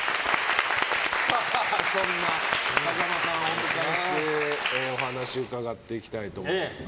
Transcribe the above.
そんな風間さんをお迎えしてお話、伺っていきたいと思います。